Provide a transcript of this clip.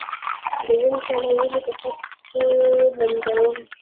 د ونې تنه ولې په خټو لمدوم؟